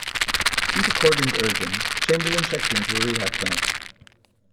Due to Corgan's urging, Chamberlin checked into a rehab clinic.